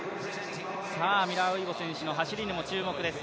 ミラーウイボ選手の走りにも注目です。